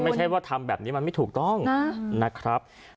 ไม่ใช่ว่าทำแบบนี้มันไม่ถูกต้องนะครับ